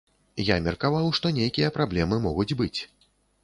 Я меркаваў, што нейкія праблемы могуць быць.